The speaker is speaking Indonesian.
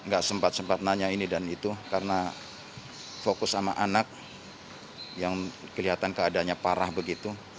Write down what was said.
gak sempat sempat nanya ini dan itu karena fokus sama anak yang kelihatan keadaannya parah begitu